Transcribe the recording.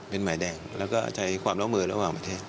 เป็นหมายแดงแล้วก็ใช้ความร่วมมือระหว่างประเทศ